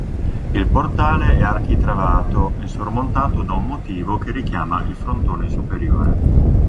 Il portale è architravato e sormontato da un motivo che richiama il frontone superiore.